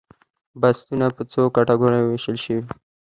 بستونه په څو کټګوریو ویشل شوي؟